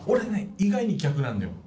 意外に逆なんだよ。